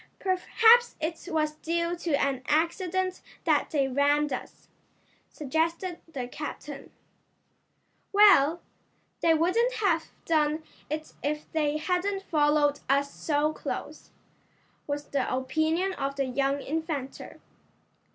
"Perhaps it was due to an accident that they rammed us," suggested the captain. "Well, they wouldn't have done it if they hadn't followed us so close," was the opinion of the young inventor.